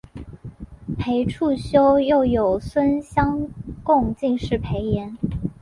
裴处休又有孙乡贡进士裴岩。